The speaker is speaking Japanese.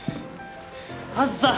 あずさ！